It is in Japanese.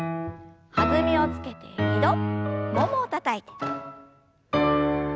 弾みをつけて２度ももをたたいて。